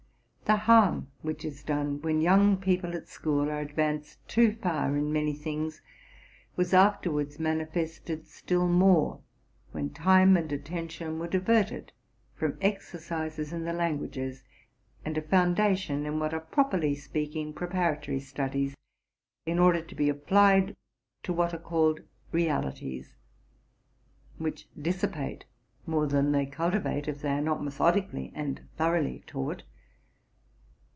The harm which is done when young people at school are advanced too far in many things was afterwards manifested still more when time and attention were diverted from exer cises in the languages, and a foundation in what are, properly speaking, preparatory studies, in order to be applied to what are called '* Realities,' which dissipate more than they cul tivate, if they are not methodically and thoroughly taught.